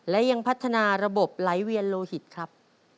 และยังพัฒนาระบบไหลเวียนโลหิตครับ